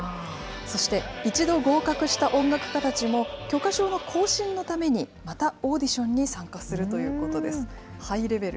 そして、一度合格した音楽家たちも、許可証の更新のためにまたオーディションに参加するということでハイレベル。